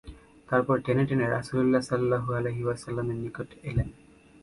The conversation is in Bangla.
তারপর টেনে টেনে রাসূলুল্লাহ সাল্লাল্লাহু আলাইহি ওয়াসাল্লামের নিকট নিয়ে এলেন।